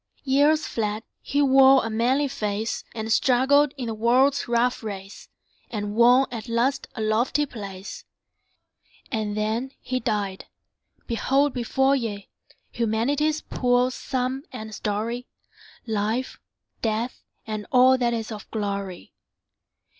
Years fled; he wore a manly face, And struggled in the world's rough race, And won at last a lofty place. And then he died! Behold before ye Humanity's poor sum and story; Life, Death, and all that is of glory.